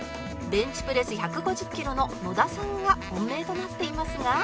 ベンチプレス１５０キロの野田さんが本命となっていますが